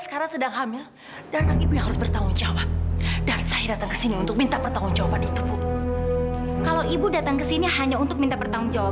karena saya tidak akan percaya sama kamu